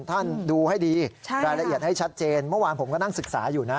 ท่านดูให้ดีรายละเอียดให้ชัดเจนเมื่อวานผมก็นั่งศึกษาอยู่นะ